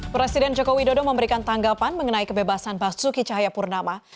presiden jokowi dodo memberikan tanggapan mengenai kebebasan basuki cahaya purnama